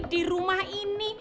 di rumah ini